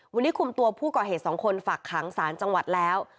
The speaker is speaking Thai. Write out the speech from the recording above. วันนี้คุมตัวผู้ก่อเหตุ๒คนฝักขังสารจังหวัดแล้ว